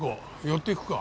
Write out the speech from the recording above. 寄っていくか。